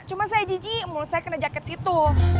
cuma saya jijik mulu saya kena jaket situ